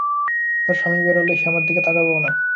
তার স্বামী বেরোলে, সে আমার দিকে তাকাবেও না।